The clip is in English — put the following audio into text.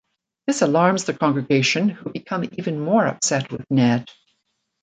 This alarms the congregation, who become even more upset with Ned.